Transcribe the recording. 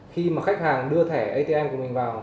khi mà khách hàng đưa thẻ atm của mình vào